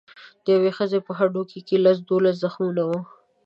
د یوې ښځې په هډوکو کې لس دولس زخمونه وو.